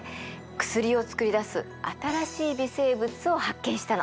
薬を作り出す新しい微生物を発見したの。